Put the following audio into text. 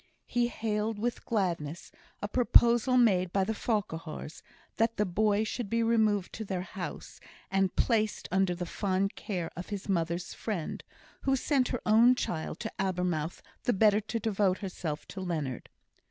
He hailed with gladness a proposal made by the Farquhars, that the boy should be removed to their house, and placed under the fond care of his mother's friend, who sent her own child to Abermouth the better to devote herself to Leonard.